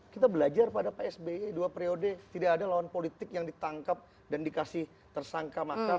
kita belajar pada psb dua periode tidak ada lawan politik yang ditangkap dan dikasih tersangka makar